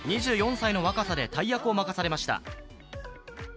２４歳の若さで大役を任されました。